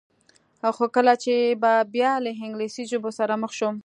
خو کله چې به بیا له انګلیسي ژبو سره مخ شوم.